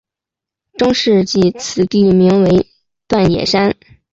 中世纪此地名为锻冶山。